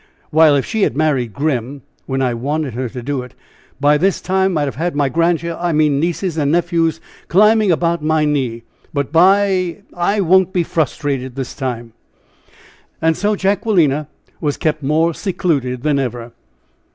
While, if she had married Grim when I wanted her to do it, by this time I'd have had my grandchil ! I mean nieces and nephews climbing about my knees. But by ! I won't be frustrated this time!" And so Jacquelina was kept more secluded than ever.